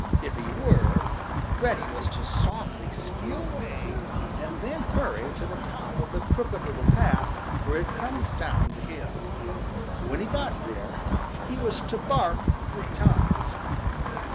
If he were, Reddy was to softly steal away and then hurry to the top of the Crooked Little Path where it comes down the hill. When he got there, he was to bark three times.